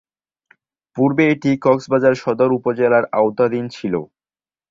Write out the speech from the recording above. পূর্বে এটি কক্সবাজার সদর উপজেলার আওতাধীন ছিলো।